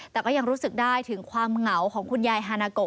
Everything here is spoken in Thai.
แต่ก็ยังรู้สึกได้ถึงความเหงาของคุณยายฮานาโก